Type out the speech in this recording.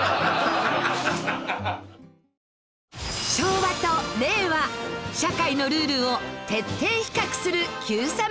昭和と令和社会のルールを徹底比較する『Ｑさま！！』